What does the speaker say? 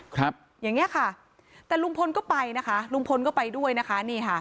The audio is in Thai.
ครับอย่างเงี้ยค่ะแต่ลุงพลก็ไปนะคะลุงพลก็ไปด้วยนะคะนี่ค่ะ